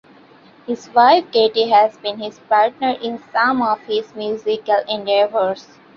His wife Katie has been his partner in some of his musical endeavors.